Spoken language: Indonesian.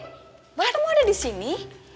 bagaimana kamu ada di sini